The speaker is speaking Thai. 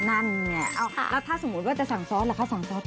นั่นไงเอาแล้วถ้าสมมติว่าจะสั่งซอสหรือค่ะ